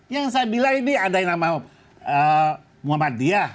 yang saya bilang ini ada yang nama muhammadiyah